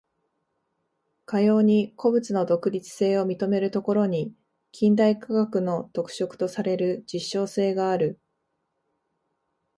かように個物の独立性を認めるところに、近代科学の特色とされる実証性がある。